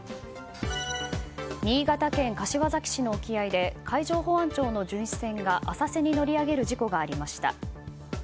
新潟県柏崎市の沖合で海上保安庁の巡視船が浅瀬に乗り上げる事故がありました。